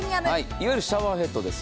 いわゆるシャワーヘッドです。